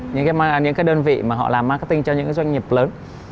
những cái đơn vị mà họ làm marketing cho những doanh nghiệp lớn